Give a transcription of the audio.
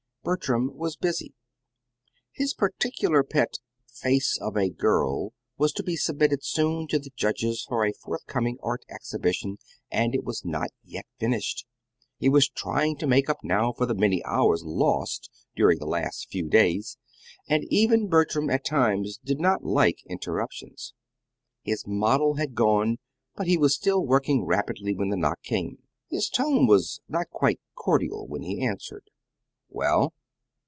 Bertram was busy. His particular pet "Face of a Girl" was to be submitted soon to the judges of a forthcoming Art Exhibition, and it was not yet finished. He was trying to make up now for the many hours lost during the last few days; and even Bertram, at times, did not like interruptions. His model had gone, but he was still working rapidly when the knock came. His tone was not quite cordial when he answered. "Well?"